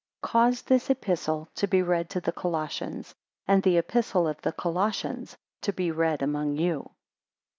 19 Cause this Epistle to be read to the Colossians, and the Epistle of the Colossians to be read among you.